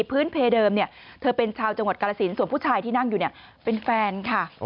พื้นเพเดิมเธอเป็นชาวจังหวัดกรสินส่วนผู้ชายที่นั่งอยู่เนี่ยเป็นแฟนค่ะ